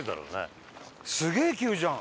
伊達：すげえ急じゃん。